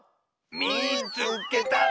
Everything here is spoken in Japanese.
「みいつけた！」。